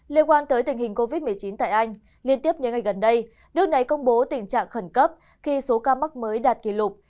liên quan tới tình hình covid một mươi chín tại anh liên tiếp những ngày gần đây nước này công bố tình trạng khẩn cấp khi số ca mắc mới đạt kỷ lục